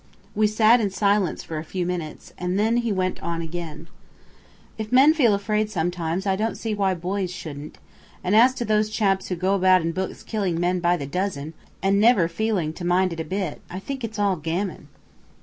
We sat in silence for a few minutes, and then he went on again: "If men feel afraid sometimes I don't see why boys shouldn't; and as to those chaps who go about in books killing men by the dozen, and never feeling to mind it a bit, I think it's all gammon."